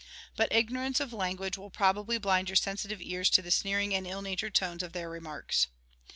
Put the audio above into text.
But ignorance of language will probably blind your sensitive ears to the sneering and ill natured tone of their remarks.